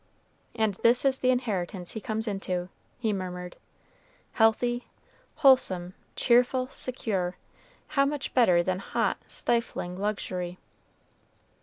"And this is the inheritance he comes into," he murmured; "healthy wholesome cheerful secure: how much better than hot, stifling luxury!"